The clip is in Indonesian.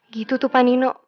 gitu tuh pak nino